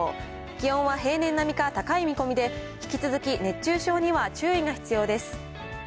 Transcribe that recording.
気温は平年並みか高い見込みで、引き続き熱中症には注意が必要です。